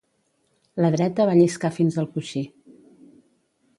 La dreta va lliscar fins al coixí.